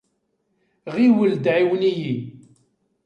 Ɣiwel-d ɛiwen-iyi!